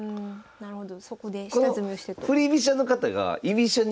なるほど。